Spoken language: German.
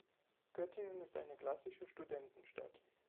Göttingen ist eine klassische Studentenstadt.